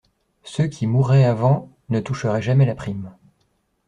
Ceux qui mourraient avant ne toucheraient jamais la prime.